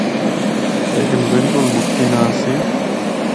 لیکن بالکل مُکدی نہ آسی۔